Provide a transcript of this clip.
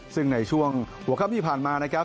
ซึ่งในช่วงหัวค่ำที่ผ่านมานะครับ